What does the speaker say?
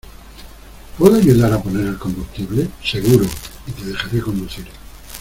¿ Puedo ayudar a poner el combustible? ¡ seguro! y te dejaré conducir.